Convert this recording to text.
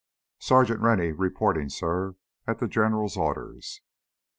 _ "Sergeant Rennie reporting suh, at the General's orders."